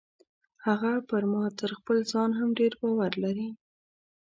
هغه پر ما تر خپل ځان هم ډیر باور لري.